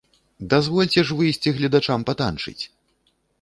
Дазвольце ж выйсці гледачам патанчыць!